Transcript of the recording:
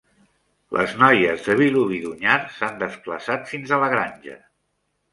Les noies de Vilobí d'Onyar s'han desplaçat fins a la granja.